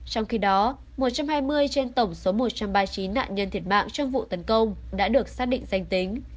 trong khi đó một trăm hai mươi trên tổng số một trăm ba mươi chín nạn nhân thiệt mạng trong vụ tấn công đã được xác định danh tính